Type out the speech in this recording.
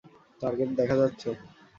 Target দেখা যাচ্ছে।